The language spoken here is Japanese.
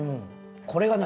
これが何？